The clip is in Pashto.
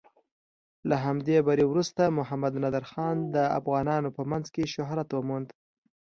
له همدې بري وروسته محمد نادر خان د افغانانو په منځ کې شهرت وموند.